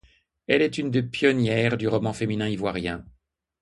Elle est une des pionnières du roman féminin ivoirien.